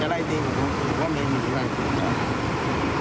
จะร่ายทีเพราะว่าไม่ร่อยจัย